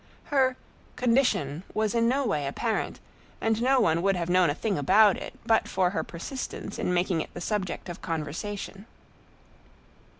Her "condition" was in no way apparent, and no one would have known a thing about it but for her persistence in making it the subject of conversation.